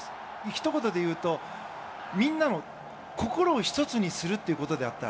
ひと言で言うとみんなの心を一つにするということであった。